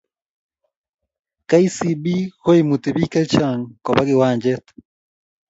Kcb ko imuti pik che chang koba kiwanjet